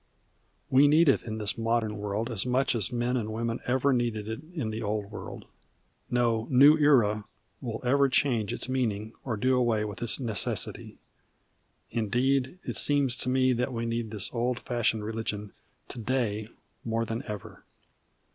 We need it in this modern world as much as men and women ever needed it in the old world. No New Era will ever change its meaning or do away with its necessity. Indeed, it seems to me that we need this old fashioned religion to day more than ever.